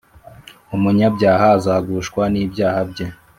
umunyabyaha azagushwa n’ibyaha bye